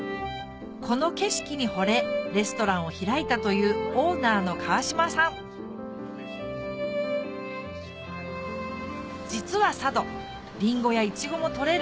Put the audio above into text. この景色にほれレストランを開いたという実は佐渡リンゴやイチゴも採れる